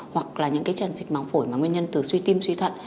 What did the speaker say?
hoặc là những trường hợp tràn dịch măng phổi nguyên nhân do suy tim suy thận